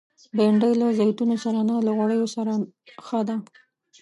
بېنډۍ له زیتونو سره نه، له غوړیو سره ښه ده